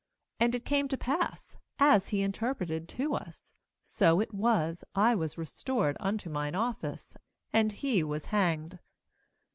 13And it came to pass, as he interpreted to us, so it was: I was restored unto mine office, and he was hanged.'